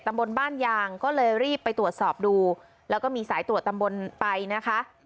บนบ้านยางก็เลยรีบไปตรวจสอบดูแล้วก็มีสายตรวจตำบลไปนะคะ